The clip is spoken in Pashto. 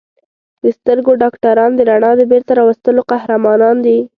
د سترګو ډاکټران د رڼا د بېرته راوستلو قهرمانان دي.